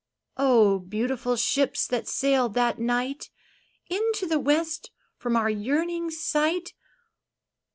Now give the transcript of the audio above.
Oh, beautiful ships, that sailed that night Into the west from our yearning sight.